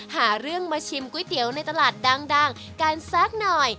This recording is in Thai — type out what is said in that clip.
หาเรื่องมาชิมก๋วยเตี๋ยวในตลาดดังกันสักหน่อย